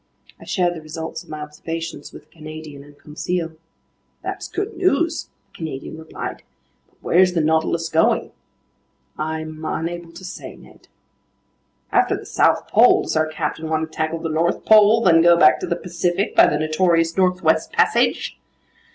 I shared the results of my observations with the Canadian and Conseil. "That's good news," the Canadian replied, "but where's the Nautilus going?" "I'm unable to say, Ned." "After the South Pole, does our captain want to tackle the North Pole, then go back to the Pacific by the notorious Northwest Passage?"